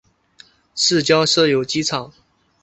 市郊设有机场。